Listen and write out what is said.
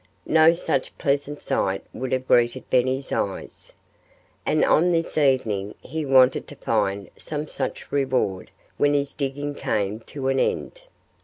No such pleasant sight would have greeted Benny's eyes. And on this evening he wanted to find some such reward when his digging came to an end.